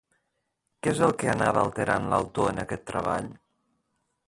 Què és el que anava alterant l'autor en aquest treball?